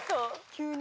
急に？